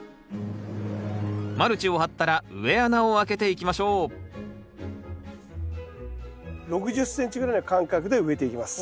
マルチを張ったら植え穴をあけていきましょう６０ｃｍぐらいの間隔で植えていきます。